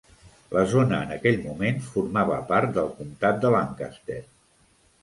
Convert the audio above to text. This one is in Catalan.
La zona en aquell moment formava part del comtat de Lancaster.